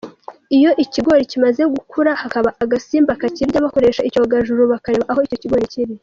Iyo ikigori kimaze gukura hakaba agasimba kakirya bakoresha icyogajuru bakareba aho icyo kigori kiri.